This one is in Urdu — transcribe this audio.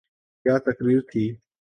کیا تقریر تھی۔